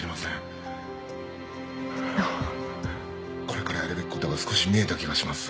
これからやるべきことが少し見えた気がします。